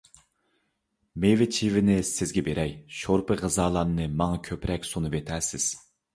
مېۋە - چېۋىنى سىزگە بېرەي، شورپا - غىزالارنى ماڭا كۆپرەك سۇنۇۋېتەرسىز.